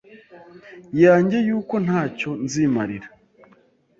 yanjye yuko ntacyo nzimarira